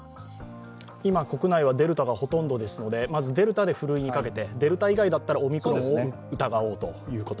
今国内はデルタがほとんどですので、まずデルタでふるいにかけて、デルタ以外だったらオミクロンを疑おうということ。